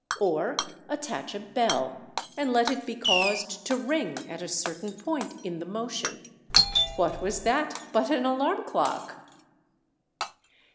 Or attach a bell and let it be caused to ring at a certain point in the motion—what was that but an alarm clock?